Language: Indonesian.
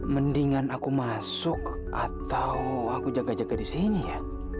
mendingan aku masuk atau aku jaga jaga di sini ya